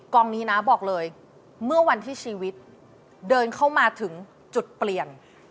นี้นะบอกเลยเมื่อวันที่ชีวิตเดินเข้ามาถึงจุดเปลี่ยน